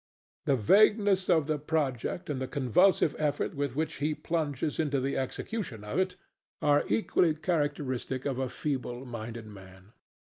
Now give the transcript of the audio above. The vagueness of the project and the convulsive effort with which he plunges into the execution of it are equally characteristic of a feeble minded man.